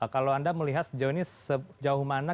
kalau anda melihat sejauh mana